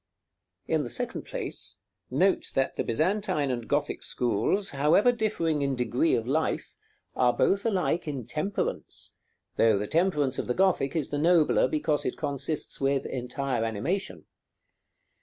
§ XII. In the second place, note that the Byzantine and Gothic schools, however differing in degree of life, are both alike in temperance, though the temperance of the Gothic is the nobler, because it consists with entire animation.